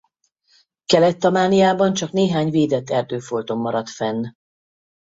Kelet-Tamániában csak néhány védett erdőfolton maradt fenn.